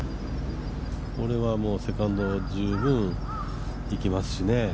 これはセカンド十分いきますしね。